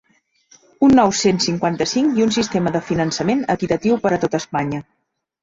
Un nou cent cinquanta-cinc i un sistema de finançament ‘equitatiu per a tot Espanya’